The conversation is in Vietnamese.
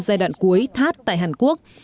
giai đoạn cuối that tại hàn quốc